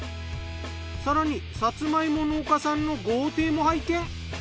更にさつま芋農家さんの豪邸も拝見。